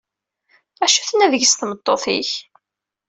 Acu tenna deg-s tmeṭṭut-ik?